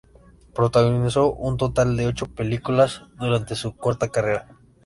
Protagonizó un total de ocho películas durante su corta carrera.